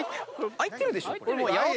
開いてるでしょこれ。